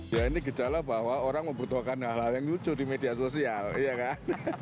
ya ini gejala bahwa orang membutuhkan hal hal yang lucu di media sosial iya kan